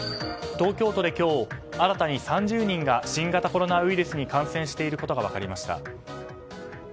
東京都で今日新たに３０人が新型コロナウイルスに感染していることが分かりました。